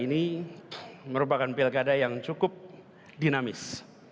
ini merupakan pilkada yang cukup dinamis